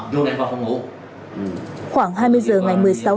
đưa em vào phòng ngủ